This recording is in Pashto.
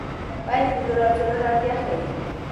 پایلې د نورو څېړنو اړتیا ښيي.